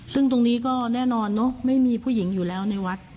ซึ่งตรงนี้ก็แน่นอนเนอะไม่มีผู้หญิงอยู่แล้วในวัด